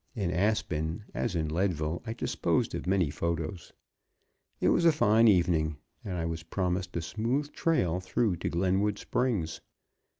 In Aspen, as in Leadville, I disposed of many photos. It was a fine evening. I was promised a smooth trail through to Glenwood Springs.